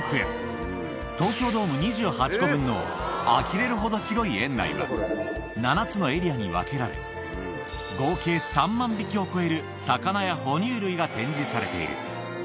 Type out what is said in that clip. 東京ドーム２８個分のあきれるほど広い園内は７つのエリアに分けられ、合計３万匹を超える魚や哺乳類が展示されている。